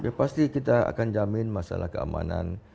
ya pasti kita akan jamin masalah keamanan